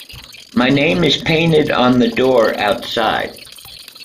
My name is painted on the door outside.